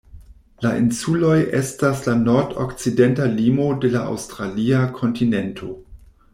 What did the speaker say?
La insuloj estas la nordokcidenta limo de la aŭstralia kontinento.